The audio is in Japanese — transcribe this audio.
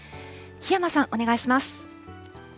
檜山さん、お願いします。